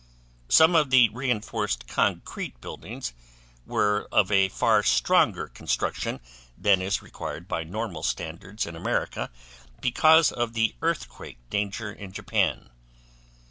Some of the reinforced concrete buildings were of a far stronger construction than is required by normal standards in America, because of the earthquake danger in Japan.